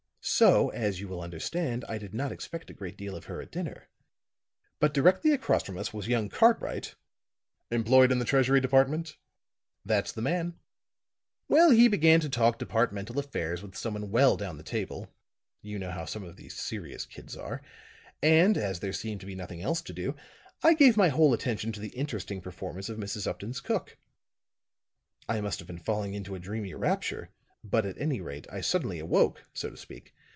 "So, as you will understand, I did not expect a great deal of her at dinner. But directly across from us was young Cartwright " "Employed in the Treasury Department?" "That's the man. Well, he began to talk departmental affairs with some one well down the table you know how some of these serious kids are and as there seemed to be nothing else to do, I gave my whole attention to the interesting performance of Mrs. Upton's cook. I must have been falling into a dreamy rapture; but at any rate I suddenly awoke, so to speak.